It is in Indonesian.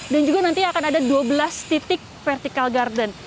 dan juga nanti akan ada dua belas titik vertical garden